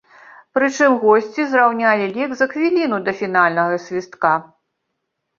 Прычым госці зраўнялі лік за хвіліну да фінальнага свістка.